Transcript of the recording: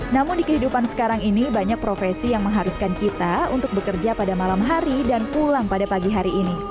namun di kehidupan sekarang ini banyak profesi yang mengharuskan kita untuk bekerja pada malam hari dan pulang pada pagi hari ini